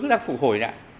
cứ đang phụ hồi lại